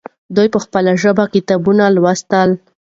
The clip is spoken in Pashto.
دوی په خپله ژبه کتابونه لوستل.